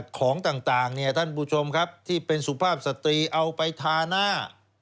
ของต่างเนี่ยท่านผู้ชมครับที่เป็นสุภาพสตรีเอาไปทาหน้า